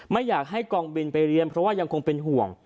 ไม่อยากให้กองบินไปเรียนเพราะว่ายังคงเป็นห่วง